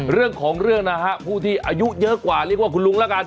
เรื่องของเรื่องนะฮะผู้ที่อายุเยอะกว่าเรียกว่าคุณลุงแล้วกัน